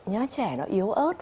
nhớ trẻ nó yếu ớt